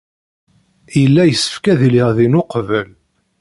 Yella yessefk ad iliɣ din uqbel.